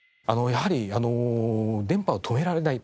やはりあの電波を止められない。